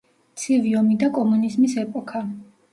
ცივი ომი და კომუნიზმის ეპოქა.